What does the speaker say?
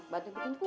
bantu bikin kue